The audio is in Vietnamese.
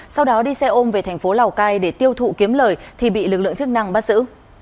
sau đó đi xe ôm về thành phố lào cai để tiêu thụ kiếm lời thì bị lực lượng chức năng bắt giữ